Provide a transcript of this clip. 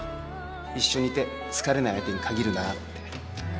一緒にいて疲れない相手に限るなって。